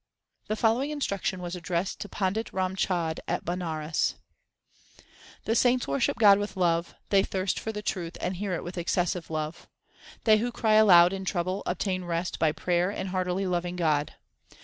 The following instruction was addressed to Pandit Ram Chand at Banaras : The saints worship God with love ; they thirst for the truth, and hear it with excessive love. They who cry aloud in trouble obtain rest by prayer and heartily loving God.